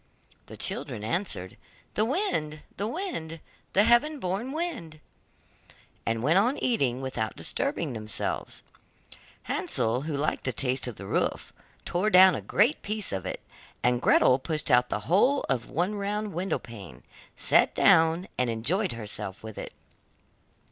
The children answered: 'The wind, the wind, The heaven born wind,' and went on eating without disturbing themselves. Hansel, who liked the taste of the roof, tore down a great piece of it, and Gretel pushed out the whole of one round window pane, sat down, and enjoyed herself with it.